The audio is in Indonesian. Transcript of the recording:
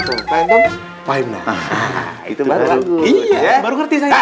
orang pahim allah itu baru ngerti saya